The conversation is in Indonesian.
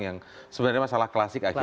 yang sebenarnya masalah klasik akhirnya